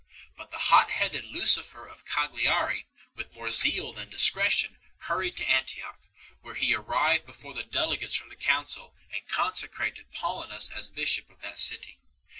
But the hot headed Lucifer of Cagliari, with more zeal than discretion, hurried to Antioch, where he arrived before the delegates from the council, and consecrated Paulinus as bishop of that city 4